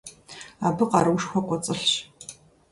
Абы къаруушхуэ кӀуэцӀылъщ.